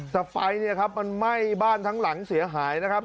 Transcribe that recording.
แต่ไฟเนี่ยครับมันไหม้บ้านทั้งหลังเสียหายนะครับ